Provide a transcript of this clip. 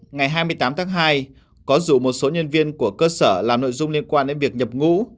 ngày hai mươi tám tháng hai có dù một số nhân viên của cơ sở làm nội dung liên quan đến việc nhập ngũ